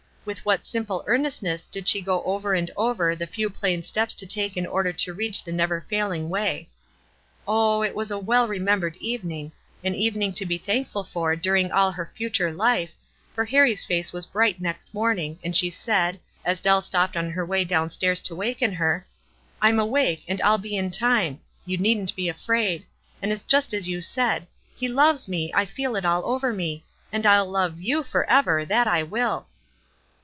With what simple earnest ness did she go over and over the few plain steps to take in order to reach the never failing way. Oh, it was a well remembered evening, an even ing to be thankful for during all her future life, for Harrie's face w r as bright next morning, and she said, as Dell stopped on her way down Btairs to waken her, "I'm awake, and I'll be in WISE AND OTHERWISE. 353 time ; you needn't be afraid ; and it's just as you said. He loves me, I feel it all over me, and I'll love you forever, that I will."